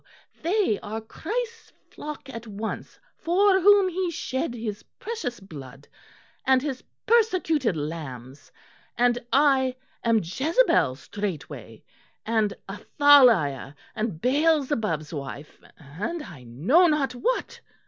they are Christ's flock at once for whom he shed His precious blood, and His persecuted lambs, and I am Jezebel straightway and Athaliah and Beelzebub's wife and I know not what."